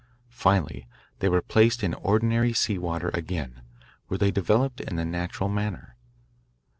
Finally they were placed in ordinary sea water again, where they developed in the natural manner.